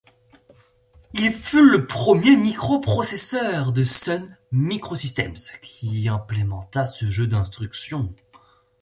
Il fut le premier micro-processeur de Sun Microsystems qui implémenta ce jeu d'instructions.